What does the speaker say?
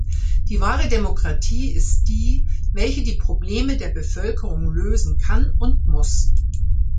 Die wahre Demokratie ist die, welche die Probleme der Bevölkerung lösen kann und muss.